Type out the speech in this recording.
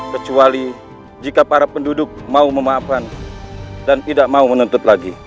kecuali jika para penduduk mau memaafkan dan tidak mau menutup lagi